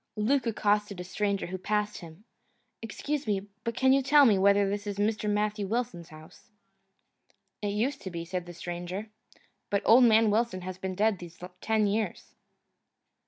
Luke accosted a stranger who passed him. "Excuse me, but can you tell me whether this is Mr. Matthew Wilson's house?" "It used to be," said the stranger, "but old man Wilson has been dead these ten years."